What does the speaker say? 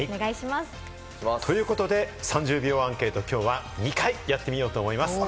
ということで３０秒アンケート、今日は２回やってみようと思います。